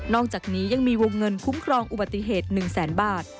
อกจากนี้ยังมีวงเงินคุ้มครองอุบัติเหตุ๑แสนบาท